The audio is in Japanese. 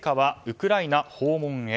ウクライナ訪問へ。